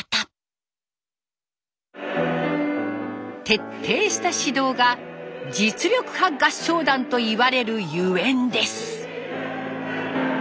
徹底した指導が実力派合唱団といわれるゆえんです。